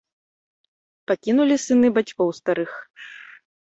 Пакінулі сыны бацькоў старых.